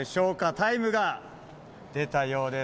タイムが出たようです。